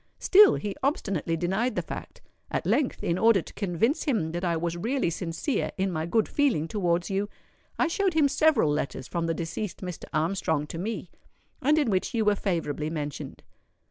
Still he obstinately denied the fact. At length, in order to convince him that I was really sincere in my good feeling towards you, I showed him several letters from the deceased Mr. Armstrong to me, and in which you were favourably mentioned.